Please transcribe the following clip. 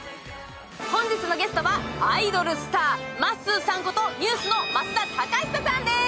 本日のゲストはアイドルスターまっすーさんこと、ＮＥＷＳの増田貴久さんです。